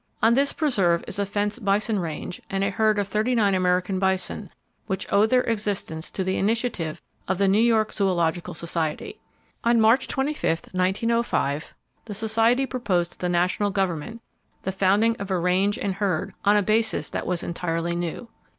On this preserve is a fenced bison range and a herd of thirty nine American bison which owe their existence to the initiative of the New York Zoological Society. On March 25, 1905, the Society proposed to the National Government the founding of a range and herd, on a basis that was entirely new.